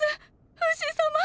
フシ様！